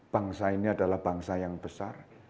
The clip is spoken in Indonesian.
bangsa ini adalah bangsa yang besar